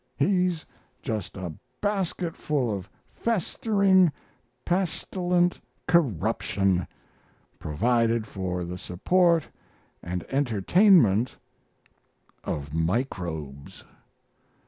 He's just a basketful of festering, pestilent corruption, provided for the support and entertainment of microbes.